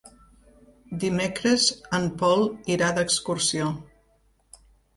Dimecres en Pol irà d'excursió.